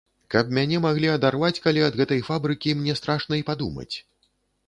Каб мяне маглі адарваць калі ад гэтай фабрыкі, мне страшна і падумаць.